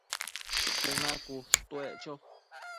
cuna cushtuec cho